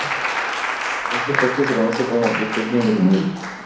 A este efecto se conoce como efecto invernadero.